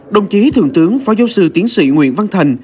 đồng chí thượng tướng phó giáo sư tiến sĩ nguyễn văn thành